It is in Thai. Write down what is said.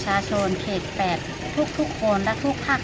สวัสดีครับ